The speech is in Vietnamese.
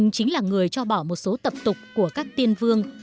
chính là người cho bỏ một số tập tục của các tiên vương